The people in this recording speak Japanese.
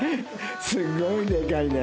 すごいでかいね。